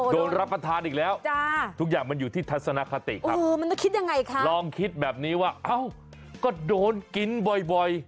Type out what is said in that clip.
โดนรับประทานอีกแล้วทุกอย่างมันอยู่ที่ทัศนคติครับลองคิดแบบนี้ว่าเอ้าก็โดนกินบ่อย